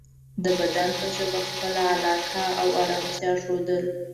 د بدن په ژبه خپله علاقه او ارامتیا ښودل